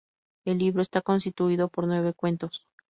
El libro está constituido por nueve cuentos.